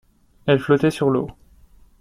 Elle flottait sur l’eau.